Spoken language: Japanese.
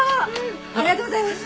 ありがとうございます。